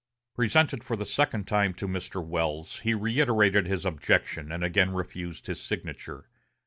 Presented for the second time to Mr. Welles, he reiterated his objection, and again refused his signature.